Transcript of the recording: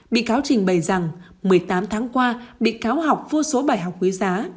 bị cáo trình bày rằng một mươi tám tháng qua bị cáo học vô số bài học quý giá